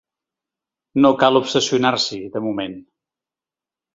No cal obsessionar-s’hi, de moment.